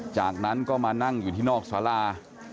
จากนั้นก็มานั่งอยู่ที่นอกสารา